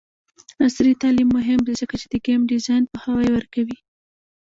عصري تعلیم مهم دی ځکه چې د ګیم ډیزاین پوهاوی ورکوي.